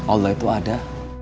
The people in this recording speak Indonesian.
allah itu ada